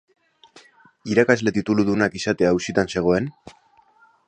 Irakasle tituludunak izatea auzitan zegoen?